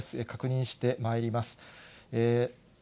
確認してまいります。